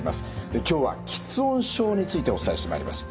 今日は吃音症についてお伝えしてまいります。